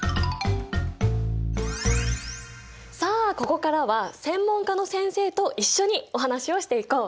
さあここからは専門家の先生と一緒にお話をしていこう。